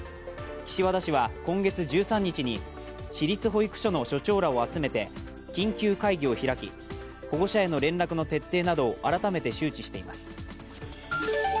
岸和田市は今月１３日に市立保育所の所長らを集めて緊急会議を開き、保護者への連絡の徹底などを改めて周知しています。